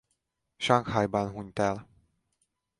Sanghajban hunyt el.